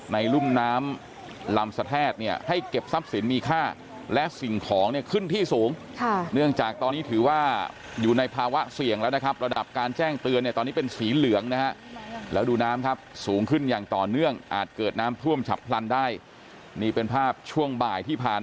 แบ่งแบ่งแบ่งแบ่งแบ่งแบ่งแบ่งแบ่งแบ่งแบ่งแบ่งแบ่งแบ่งแบ่งแบ่งแบ่งแบ่งแบ่งแบ่งแบ่งแบ่งแบ่งแบ่ง